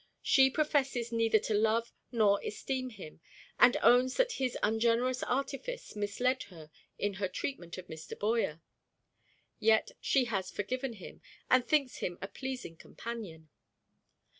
She professes neither to love nor esteem him, and owns that his ungenerous artifice misled her in her treatment of Mr. Boyer. Yet she has forgiven him, and thinks him a pleasing companion.